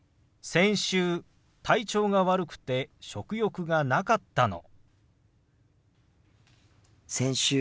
先週体調が悪くて食欲がなかったの。